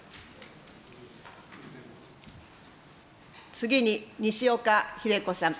次に、西岡秀子さん。